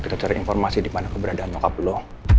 kita cari informasi dimana keberadaan nyokap lo